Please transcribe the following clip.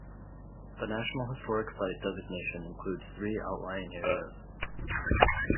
The National Historic Site designation includes three outlying areas.